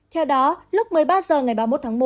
theo đó lúc một mươi ba h ngày ba mươi một tháng một